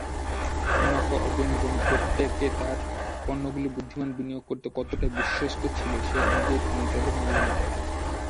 মুনাফা অর্জনের জন্য প্রত্যেকে তার পণ্যগুলির বুদ্ধিমান বিনিয়োগ করতে কতটা বিশ্বস্ত ছিল সে অনুযায়ী তিনি তাদের মূল্যায়ন করেন।